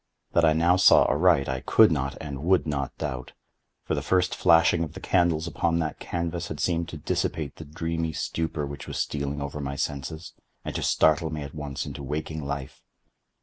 That I now saw aright I could not and would not doubt; for the first flashing of the candles upon that canvas had seemed to dissipate the dreamy stupor which was stealing over my senses, and to startle me at once into waking life.